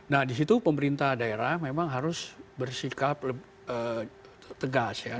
nah di situ pemerintah daerah memang harus bersikap tegas ya